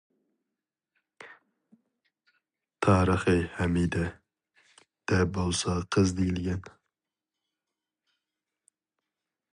«تارىخى ھەمىدى» دە بولسا قىز دېيىلگەن.